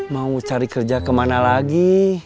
mau cari kerja kemana lagi